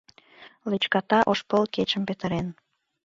Лӧчката ош пыл кечым петырен.